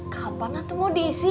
kapan atau mau diisikan